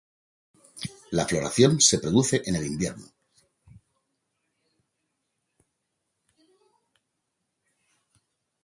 La floración se produce en el invierno.